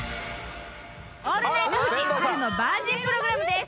「『オールナイトフジ』春のバージンプログラムです」